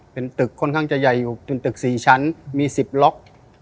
เป็นตึกค่อนข้างจะใหญ่อยู่เป็นตึก๔ชั้นมี๑๐ล็อก